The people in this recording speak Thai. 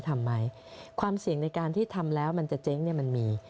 ทำไมความเสี่ยงในการที่ทำแล้วมันจะเจ๊งเนี่ยมันมี